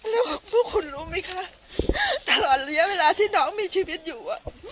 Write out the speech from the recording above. แล้วพวกคุณรู้ไหมคะตลอดระยะเวลาที่น้องมีชีวิตอยู่